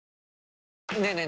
ねえねえ